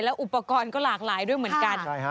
อุปกรณ์ก็หลากหลายด้วยเหมือนกัน